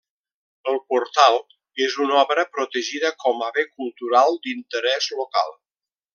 El portal és una obra protegida com a Bé Cultural d'Interès Local.